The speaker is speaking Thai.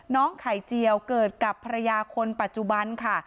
ไข่เจียวเกิดกับภรรยาคนปัจจุบันค่ะ